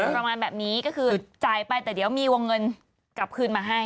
ประมาณแบบนี้ก็คือจ่ายไปแต่เดี๋ยวมีวงเงินกลับคืนมาให้